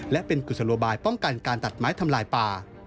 และเป็นกุศโลบายป้องกันการตัดไม้ทำลายป่า